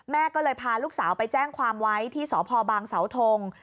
แม่ก็เลยพาลูกสาวไปแจ้งความไว้ที่สพบางเสาทง